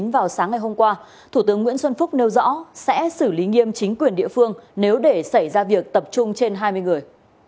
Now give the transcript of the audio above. vào sáng ngày hôm qua thủ tướng nguyễn xuân phúc nêu rõ sẽ xử lý nghiêm chính quyền địa phương nếu để xảy ra việc tập trung trên hai mươi người